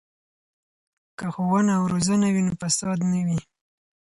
که ښوونه او روزنه وي نو فساد نه وي.